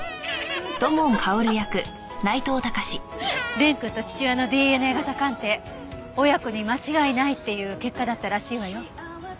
蓮くんと父親のＤＮＡ型鑑定親子に間違いないっていう結果だったらしいわよ。